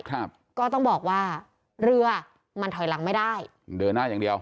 ครับก็ต้องบอกว่าเรือมันถอยหลังไม่ได้เดินหน้าอย่างเดียว